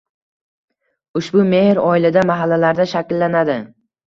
Ushbu mehr oilada, mahallalarda shakillanadi